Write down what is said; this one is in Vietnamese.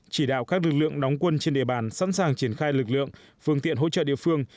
chỉ đạo các lực lượng đóng quân trên địa bàn sẵn sàng triển khai lực lượng phương tiện hỗ trợ địa phương